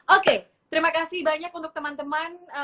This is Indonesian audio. oke terima kasih banyak untuk teman teman